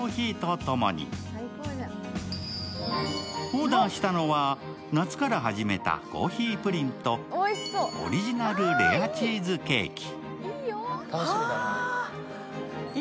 オーダーしたのは夏から始めたコーヒープリンとオリジナルレアチーズケーキ。